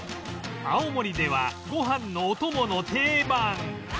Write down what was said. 青森ではご飯のお供の定番